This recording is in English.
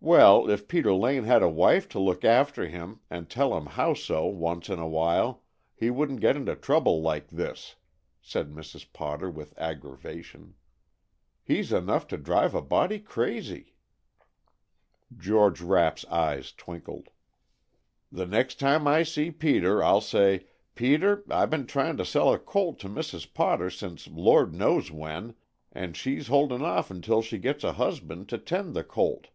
"Well, if Peter Lane had a wife to look after him and tell him how so once in a while, he wouldn't get into trouble like this," said Mrs. Potter, with aggravation. "He's enough to drive a body crazy." George Rapp's eyes twinkled. "The next time I see Peter I'll say, 'Peter, I been tryin' to sell a colt to Mrs. Potter since Lord knows when, and she's holdin' off until she gets a husband to tend the colt.